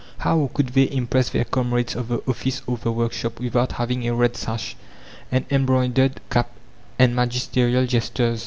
How could they impress their comrades of the office or the workshop without having a red sash, an embroidered cap, and magisterial gestures!